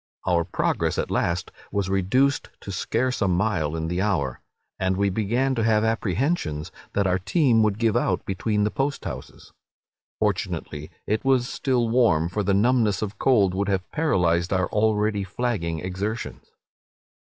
Our progress at last was reduced to scarce a mile in the hour, and we began to have apprehensions that our team would give out between the post houses. Fortunately it was still warm, for the numbness of cold would have paralyzed our already flagging exertions.